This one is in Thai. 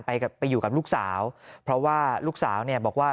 ไปไปอยู่กับลูกสาวเพราะว่าลูกสาวเนี่ยบอกว่า